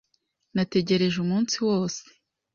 Nategereje umunsi wose.